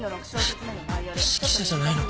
し指揮者じゃないのか？